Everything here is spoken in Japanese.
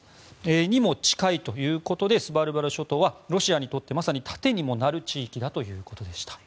そこにも近いということでスバルバル諸島はロシアにとってまさに盾にもなる地域ということでした。